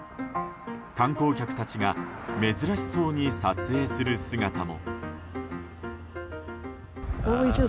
観光客たちが珍しそうに撮影する姿も。